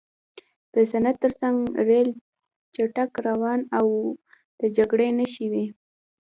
د سیند ترڅنګ ریل چټک روان و او د جګړې نښې وې